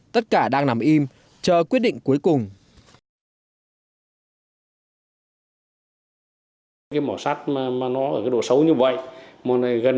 tất cả đang nằm im chờ quyết định cuối cùng